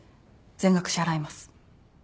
全額支払います。